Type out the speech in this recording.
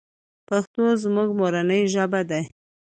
پښتو زمونږ مورنۍ ژبه ده.